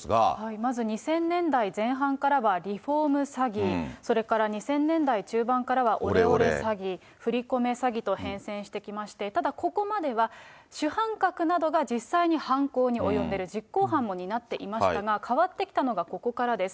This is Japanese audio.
まず２０００年代前半からはリフォーム詐欺、それから２０００年代中盤からは、オレオレ詐欺、振り込め詐欺と変遷してきまして、ただ、ここまでは、主犯格などが実際に犯行に及んでいる、実行犯も担っていましたが、変わってきたのがここからです。